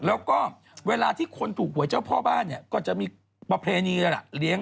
แล้วก็เวลาที่คนถูกหวยเจ้าพ่อบ้านก็จะมีประเพณีแล้ว